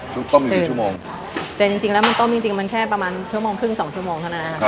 ต้มหนึ่งชั่วโมงแต่จริงจริงแล้วมันต้มจริงจริงมันแค่ประมาณชั่วโมงครึ่งสองชั่วโมงเท่านั้นนะครับ